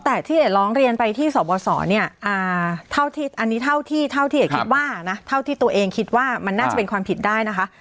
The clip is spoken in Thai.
แต่ที่เอกร้องเรียนไปที่สบสเนี่ยเท่าที่อันนี้เท่าที่เอกคิดว่านะเท่าที่ตัวเองคิดว่ามันน่าจะเป็นความผิดได้นะคะ